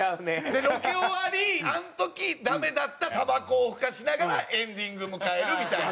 でロケ終わりあの時ダメだったたばこをふかしながらエンディング迎えるみたいな。